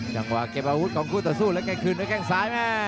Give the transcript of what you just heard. จังหวะเก็บอาวุธของคู่ต่อสู้แล้วก็คืนด้วยแข้งซ้ายแม่